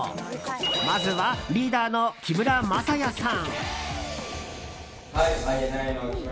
まずはリーダーの木村柾哉さん。